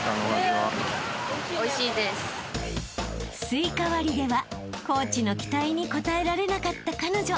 ［スイカ割りではコーチの期待に応えられなかった彼女］